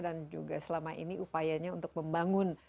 dan juga selama ini upayanya untuk membangun